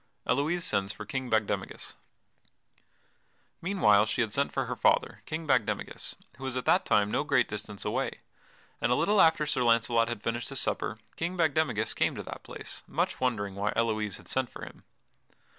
[Sidenote: Elouise sends for King Bagdemagus] Meanwhile she had sent for her father, King Bagdemagus, who was at that time no great distance away, and a little after Sir Launcelot had finished his supper King Bagdemagus came to that place, much wondering why Elouise had sent for him.